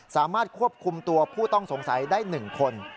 สามารถควบคุมตัวผู้ต้องสงสัยได้๑คน